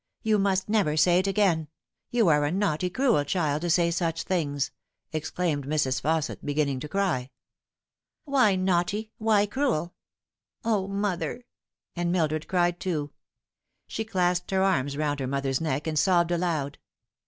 You must never say it again you are a naughty, cruel child to say such things I" exclaimed Mrs. Fausset, beginning to cry. " Why naughty ? why cruel ? O, mother !" and Mildred cried too. She clasped her arms round her mother's neck and sobbed aloud.